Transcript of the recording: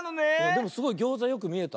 でもすごいギョーザよくみえた。